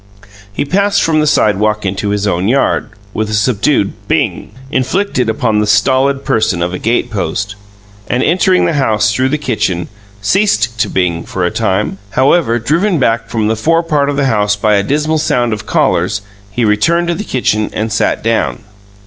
He passed from the sidewalk into his own yard, with a subdued "Bing!" inflicted upon the stolid person of a gatepost, and, entering the house through the kitchen, ceased to bing for a time. However, driven back from the fore part of the house by a dismal sound of callers, he returned to the kitchen and sat down.